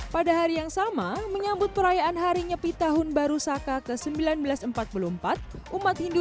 pada hari yang sama menyambut perayaan hari nyepi tahun baru saka ke seribu sembilan ratus empat puluh empat umat hindu